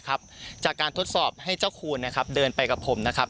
จากการทดสอบให้เจ้าคูณนะครับเดินไปกับผมนะครับ